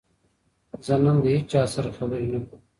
زه نن له هیچا سره خبرې نه کوم.